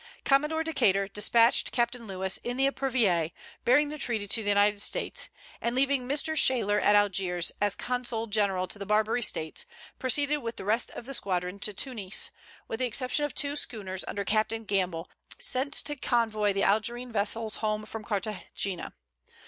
Commodore Decater despatched Captain Lewis in the Epervier, bearing the treaty to the United States, and leaving Mr. Shaler at Algiers, as consul general to the Barbary states, proceeded with the rest of the squadron to Tunis, with the exception of two schooners under Captain Gamble, sent to convoy the Algerine vessels home from Carthagena.